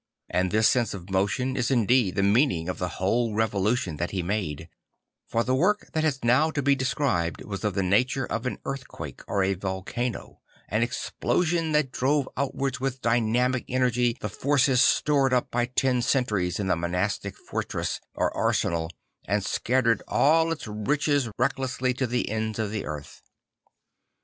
And this sense of motion is indeed the meaning of the whole revolution that he made; for the work that has now to be described was of the nature of an earth quake or a volcano, an explosion that drove outwards with dynamic energy the forces stored up by ten centuries in the monastic fortress or arsenal and scattered all its riches recklessly to the ends of the earth.